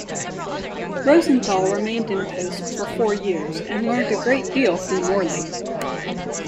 Rosenthal remained in post for four years and learnt a great deal from Morley.